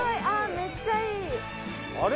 めっちゃいい！あれ？